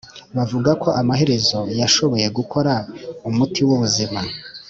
bavuga ko amaherezo yashoboye gukora umuti w’ubuzima,